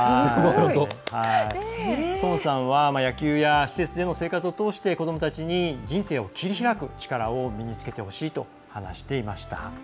孫さんは野球や施設での生活を通して、子どもたちに人生を切り開く力を身につけてほしいと話していました。